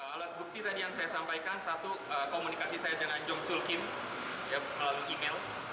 alat bukti tadi yang saya sampaikan satu komunikasi saya dengan jong chul kim melalui email